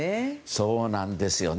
そうなんですよね。